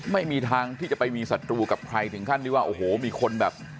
ไม่มีทางที่จะไปมีศัตรูกับใครถึงขั้นที่ว่าโอ้โหมีคนแบบ